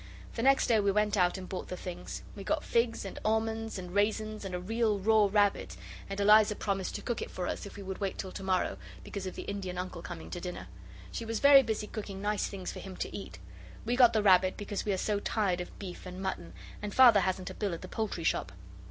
The next day we went out and bought the things. We got figs, and almonds and raisins, and a real raw rabbit, and Eliza promised to cook it for us if we would wait till tomorrow, because of the Indian Uncle coming to dinner. She was very busy cooking nice things for him to eat. We got the rabbit because we are so tired of beef and mutton, and Father hasn't a bill at the poultry shop.